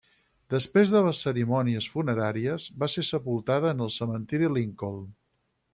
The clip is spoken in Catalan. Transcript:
Després de les cerimònies funeràries, va ser sepultada en el Cementiri Lincoln.